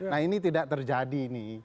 nah ini tidak terjadi nih